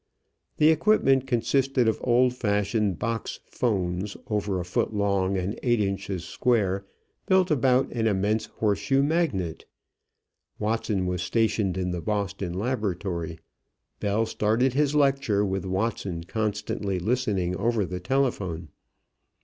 The equipment consisted of old fashioned box 'phones over a foot long and eight inches square, built about an immense horseshoe magnet. Watson was stationed in the Boston laboratory. Bell started his lecture, with Watson constantly listening over the telephone.